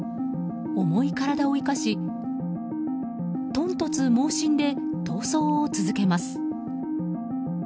重い体を生かし、豚突猛進で逃走を続けます。